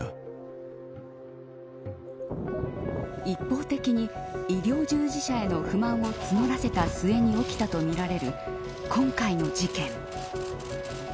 一方的に医療従事者への不満を募らせた末に起きたとみられる今回の事件。